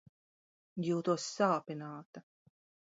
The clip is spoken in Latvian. Jūtos sāpināta!